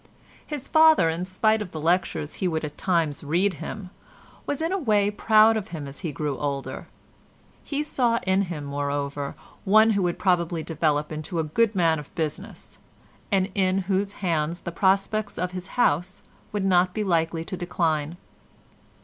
His father, in spite of the lectures he would at times read him, was in a way proud of him as he grew older; he saw in him, moreover, one who would probably develop into a good man of business, and in whose hands the prospects of his house would not be likely to decline.